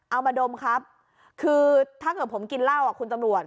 มาดมครับคือถ้าเกิดผมกินเหล้าอ่ะคุณตำรวจ